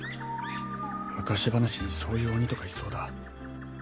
昔話にそういう鬼とかいそうだ。